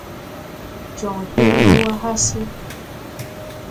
Jɔŋ hẽẽne wà hase.